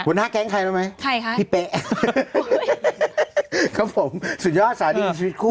หัวหน้าแก๊งใครแล้วไหมพี่เป๊ะครับผมสุดยอดสารรักดีชีวิตคู่